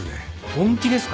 本気ですか？